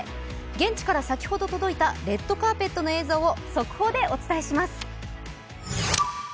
現地から先ほど届いたレッドカーペットの映像を速報でお伝えします。